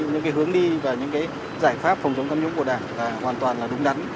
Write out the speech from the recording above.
những hướng đi và những giải pháp phòng chống tham nhũng của đảng là hoàn toàn là đúng đắn